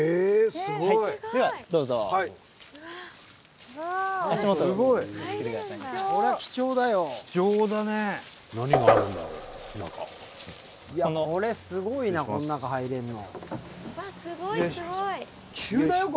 すごい急。